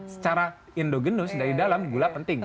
secara indogenus dari dalam gula penting